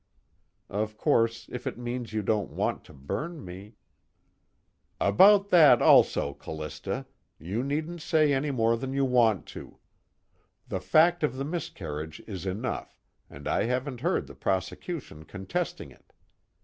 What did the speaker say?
Of course, if it means you don't want to burn me_ "About that also, Callista, you needn't say any more than you want to. The fact of the miscarriage is enough, and I haven't heard the prosecution contesting it.